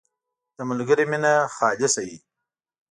• د ملګري مینه خالصه وي.